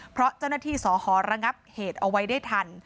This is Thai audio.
เพราะเจ้าหน้าที่สอหอระงับเหตุเอาไว้ได้ทัน